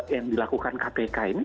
yang dilakukan kpk ini